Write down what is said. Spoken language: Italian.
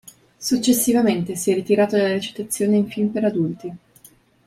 Successivamente si è ritirato dalla recitazione in film per adulti.